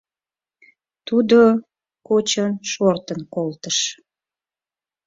- Тудо кочын шортын колтыш.